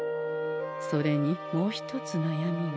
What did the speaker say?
それにもう一つなやみが。